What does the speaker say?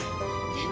でも。